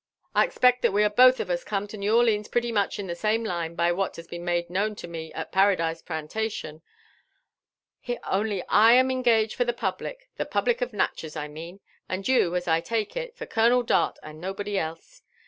I expect that we are both of uf JONATHAN JEFFERSON WHITL.AW. «0& come to New Orlines pretty much in the same line, by what has been made known lo me at Paradise Plantation ; only I am engaged for the public — the public of Natchez, I mean, — and you, as I take it, for Colonel Dart and nobody else.